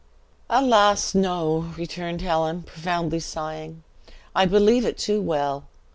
"Alas, no!" returned Helen, profoundly sighing, "I believe it too well.